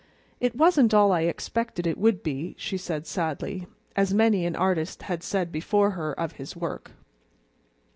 It wasn't all I expected it would be," she said sadly, as many an artist had said before her of his work.